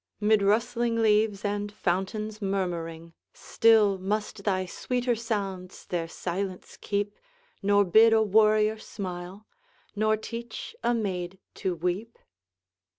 Mid rustling leaves and fountains murmuring, Still must thy sweeter sounds their silence keep, Nor bid a warrior smile, nor teach a maid to weep?